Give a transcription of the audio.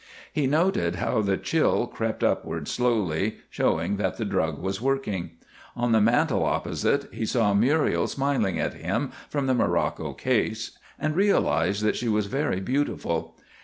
He noted how the chill crept upward slowly, showing that the drug was working. On the mantel opposite he saw Muriel smiling at him from the morocco case and realized that she was very beautiful.